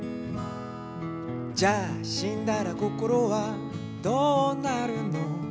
「じゃあしんだらこころはどうなるの？」